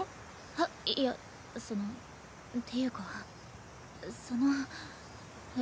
あっいやそのっていうかそのえ